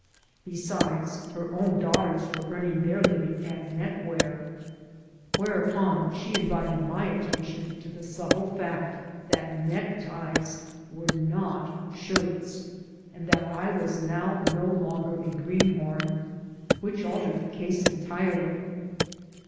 Besides, her own daughters were earning their living at neckwear. Whereupon she invited my attention to the subtle fact that neckties were not shirts, and that I was now no longer a greenhorn, which altered the case entirely.